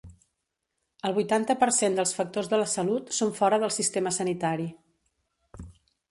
El vuitanta per cent dels factors de la salut són fora del sistema sanitari.